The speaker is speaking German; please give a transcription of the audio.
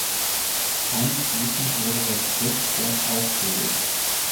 Anschließend wurde das Schiff dort aufgelegt.